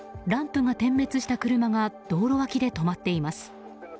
ランプが点滅した車が道路脇で止まっています。